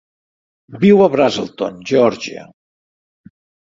Viu a Braselton, Georgia.